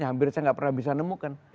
hampir saya nggak pernah bisa nemukan